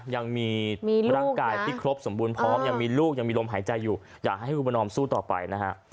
ยังมีร่างกายที่ครบสมบูรณ์พร้อมยังมีลูกยังมีลมหายใจอยู่อยากให้คุณประนอมสู้ต่อไปนะฮะ